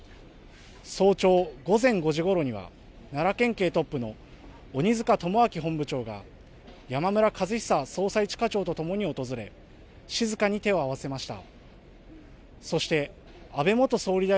早朝、午前５時ごろには奈良県警トップの鬼塚友章本部長が山村和久捜査一課長とともに訪れ静かに手を合わせました。